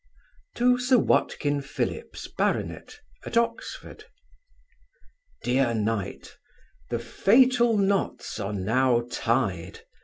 To Sir WATKIN PHILLIPS, Bart. at Oxon. DEAR KNIGHT, The fatal knots are now tied.